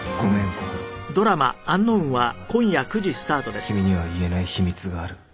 「俺にはまだ君には言えない秘密がある」